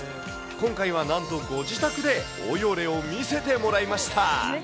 今回はなんとご自宅で応用例を見せてもらいました。